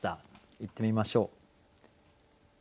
いってみましょう。